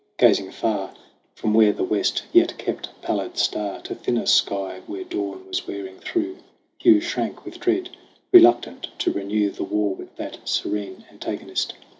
Gazing far, From where the West yet kept a pallid star To thinner sky where dawn was wearing through, Hugh shrank with dread, reluctant to renew The war with that serene antagonist.